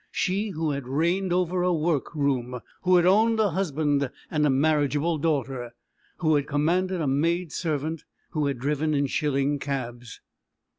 She who had reigned over a work room, who had owned a husband and a marriageable daughter, who had commanded a maid servant, who had driven in shilling cabs!